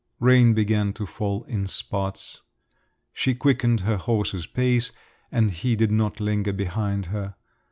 Rain began to fall in spots. She quickened her horse's pace, and he did not linger behind her.